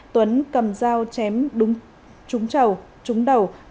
tuấn cầm dao chém đúng trúng trầu trúng đầu